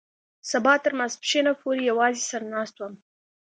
سبا تر ماسپښينه پورې يوازې سر ناست وم.